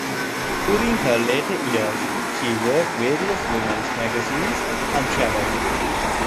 During her later years, she wrote various women's magazines and traveled.